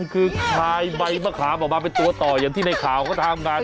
คือชายใบมะขามออกมาเป็นตัวต่ออย่างที่ในข่าวเขาทำงาน